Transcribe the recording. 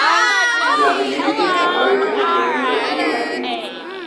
Las ciclistas que aparecen en negrita siguen activos.